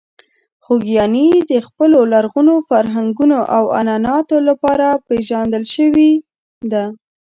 خوږیاڼي د خپلو لرغونو فرهنګونو او عنعناتو لپاره پېژندل شوې ده.